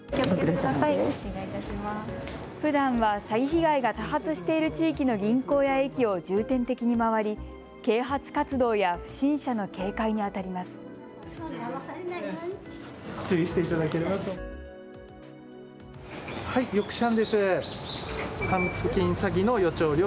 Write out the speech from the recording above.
ふだんは詐欺被害が多発している地域の銀行や駅を重点的に回り啓発活動や不審者の警戒にあたります。